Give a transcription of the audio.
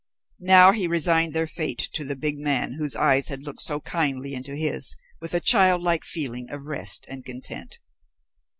Now he resigned their fate to the big man whose eyes had looked so kindly into his, with a childlike feeling of rest and content.